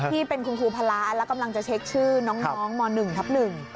ที่เป็นคุณครูพระแล้วกำลังจะเช็คชื่อน้องม๑ทับ๑